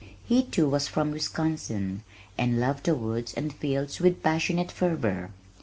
He, too, was from Wisconsin, and loved the woods and fields with passionate fervor.